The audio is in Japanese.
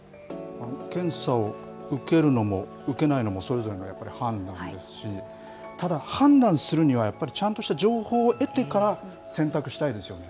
検査を受けるのも受けないのも、それぞれのやっぱり判断ですし、ただ、判断するにはやっぱりちゃんとした情報を得てから選択したいですよね。